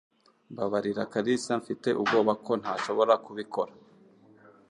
Mbabarira Kalisa Mfite ubwoba ko ntashobora kubikora